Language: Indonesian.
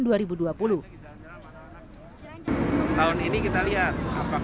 tidak ada peraturan mudik di wilayah jakarta